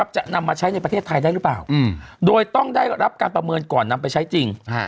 จะนำมาใช้ในประเทศไทยได้หรือเปล่าโดยต้องได้รับการประเมินก่อนนำไปใช้จริง